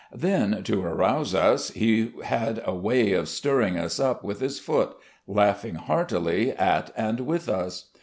Then, to arouse us, he had a way of stir ring us up with his foot — ^laughing heartily at and with us.